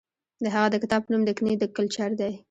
د هغه د کتاب نوم دکني کلچر دی.